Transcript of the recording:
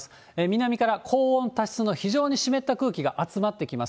南から高温多湿の非常に湿った空気が集まってきます。